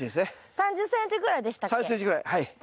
３０ｃｍぐらいでしたっけ？